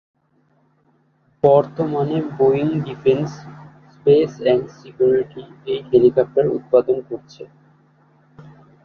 বর্তমানে Boeing defence, space and security এই helicopter উৎপাদন করছে।